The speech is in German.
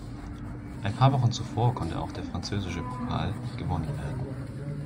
Ein paar Wochen zuvor konnte auch der französische Pokal gewonnen werden.